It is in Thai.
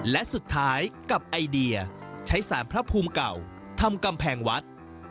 และสุดท้ายกับไอเดียใช้สารพระภูมิเก่าทำกำแพงวัด